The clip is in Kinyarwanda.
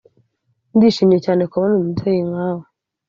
ndishimye cyane kubona umubyeyi nkawe,